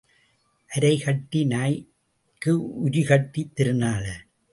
அரைகட்டி நாய்க்கு உரிகட்டித் திருநாளா?